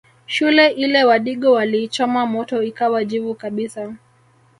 Shule ile wadigo waliichoma moto ikawa jivu kabisa